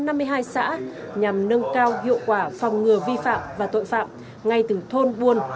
nhằm nâng cao hiệu quả phòng ngừa vi phạm và tội phạm ngay từ thôn buôn